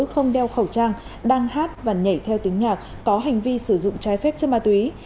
không đeo khẩu trang đang hát và nhảy theo tiếng nhạc có hành vi sử dụng trái phép chất ma túy